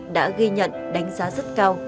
đã ghi nhận đánh giá rất cao